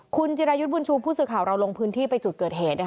คุณจิรายุทธ์บุญชูผู้สื่อข่าวเราลงพื้นที่ไปจุดเกิดเหตุ